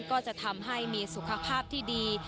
ก็จะทำให้มีสุขภาพที่ดี